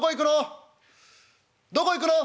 「どこ行くの？